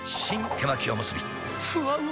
手巻おむすびふわうま